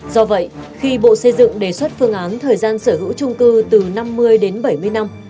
do vậy khi bộ xây dựng đề xuất phương án thời gian sở hữu trung cư từ năm mươi đến bảy mươi năm